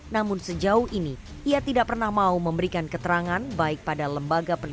namun sejauh ini ia tidak pernah mau memberikan keterangan baik pada lembaga perlindungan